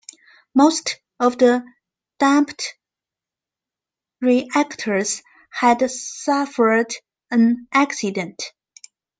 Most of the dumped reactors had suffered an accident.